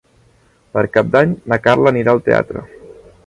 Per Cap d'Any na Carla anirà al teatre.